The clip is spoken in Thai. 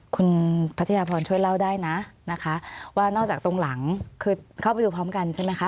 คุณพัทยาพรช่วยเล่าได้นะนะคะว่านอกจากตรงหลังคือเข้าไปดูพร้อมกันใช่ไหมคะ